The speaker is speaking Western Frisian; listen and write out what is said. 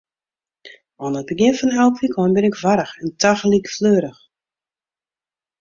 Oan it begjin fan elk wykein bin ik warch en tagelyk fleurich.